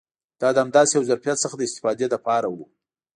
دا د همداسې یو ظرفیت څخه د استفادې لپاره و.